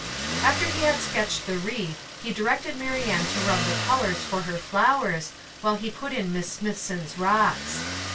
After he had sketched the wreath, he directed Marianne to rub the colors for her flowers, while he put in Miss Smithson's rocks.